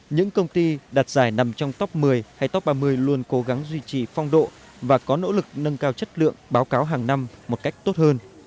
những công ty đặt giải nằm trong top một mươi hay top ba mươi luôn cố gắng duy trì phong độ và có nỗ lực nâng cao chất lượng báo cáo hàng năm một cách tốt hơn